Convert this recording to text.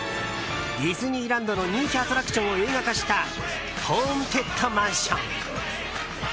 ディズニーランドの人気アトラクションを映画化した「ホーンテッドマンション」。